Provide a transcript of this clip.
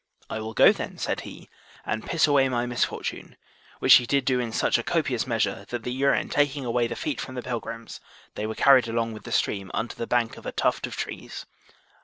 I will go then, said he, and piss away my misfortune; which he did do in such a copious measure, that the urine taking away the feet from the pilgrims, they were carried along with the stream unto the bank of a tuft of trees.